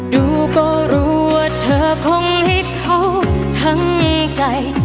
ดูก็รู้ว่าเธอคงให้เขาทั้งใจ